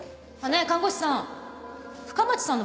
ねえ看護師さん。